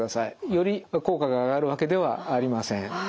より効果が上がるわけではありません。